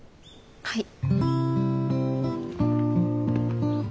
はい。